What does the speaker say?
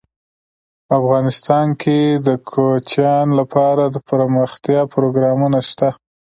افغانستان کې د کوچیان لپاره دپرمختیا پروګرامونه شته.